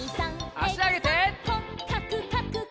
あしあげて。